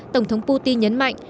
tổng thống putin nhấn mạnh